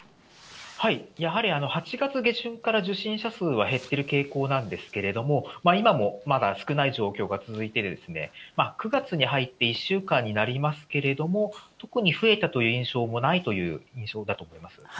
やはり８月下旬から受診者数は減ってる傾向なんですけれども、今もまだ少ない状況が続いていてですね、９月に入って１週間になりますけれども、特に増えたという印象もないという印象だと思います。